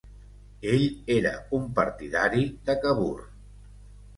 Ell era un partidari de Cavour.